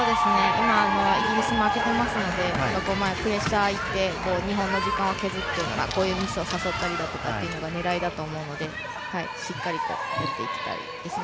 今、イギリスは負けてますのでプレッシャーにいって日本の時間を削ってこういうミスを誘ったりが狙いだと思うのでしっかりと打っていきたいですね。